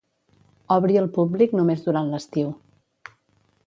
Obri al públic només durant l'estiu.